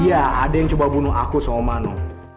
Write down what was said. iya ada yang coba bunuh aku sama mano